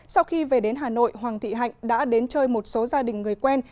sau khi về đến hà nội hoàng thị hạnh đã đến chơi một số gia đình người quen